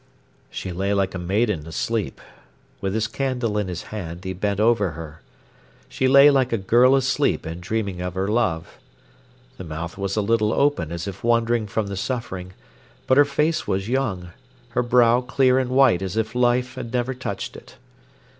She lay like a maiden asleep. With his candle in his hand, he bent over her. She lay like a girl asleep and dreaming of her love. The mouth was a little open as if wondering from the suffering, but her face was young, her brow clear and white as if life had never touched it.